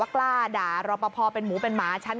ด้วยความเคารพนะคุณผู้ชมในโลกโซเชียล